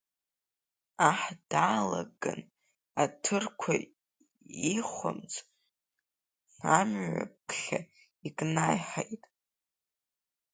Аҳ даалаган аҭырқәа ихәамц амҩаԥхьа икнаиҳаит.